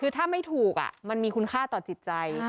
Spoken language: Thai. คือถ้าไม่ถูกมันมีคุณค่าต่อจิตใจ